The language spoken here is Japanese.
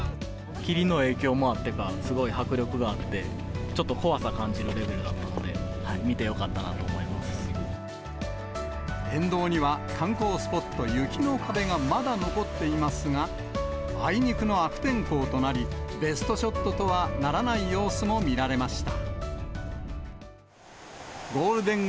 霧の影響もあってか、すごい迫力があって、ちょっと怖さ感じるレベルだったので、見てよかっ沿道には観光スポット、雪の壁がまだ残っていますが、あいにくの悪天候となり、ベストショットはならない様子も見られました。